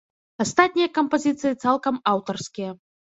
Астатнія кампазіцыі цалкам аўтарскія.